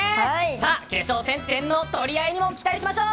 さあ、決勝戦、点の取り合いにも期待しましょう。